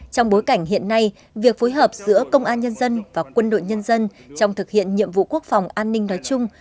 trong bối cảnh hiện nay việc phối hợp giữa công an nhân dân và quân đội nhân dân trong thực hiện nhiệm vụ quốc phòng an ninh nói chung